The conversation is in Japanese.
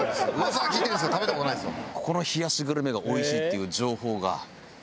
噂は聞いてるんですけど食べた事ないんですよ。